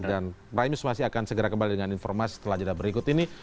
dan prime news masih akan segera kembali dengan informasi setelah jadwal berikut ini